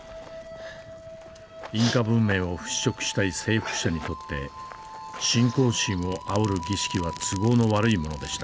インカ文明を払拭したい征服者にとって信仰心をあおる儀式は都合の悪いものでした。